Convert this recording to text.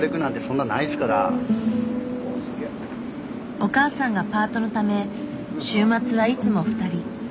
お母さんがパートのため週末はいつも２人。